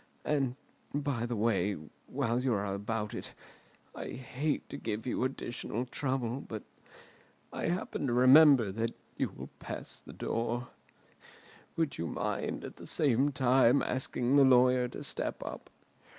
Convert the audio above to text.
And, by the way—while you are about it—I hate to give you additional trouble, but I happen to remember that you will pass the door—would you mind at the same time asking the lawyer to step up?